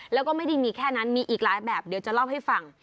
แล้วก็ไม่ได้มีแค่นั้นมีอีกหลายแบบเดี๋ยวจะเล่าให้ฟัง